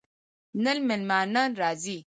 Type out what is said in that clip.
نن مېلمانه راځي